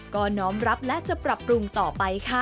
ก็น้อมรับและจะปรับปรุงต่อไปค่ะ